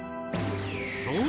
そう！